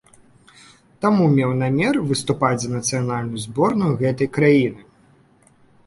Таму меў намер выступаць за нацыянальную зборную гэтай краіны.